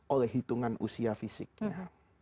oleh hitungan usia fisiknya